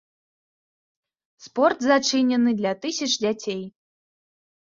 Спорт зачынены для тысяч дзяцей.